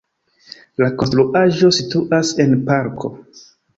La konstruaĵo situas en parko.